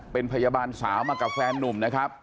เป็นพยาบาลสาวมากับแฟนนุ่ม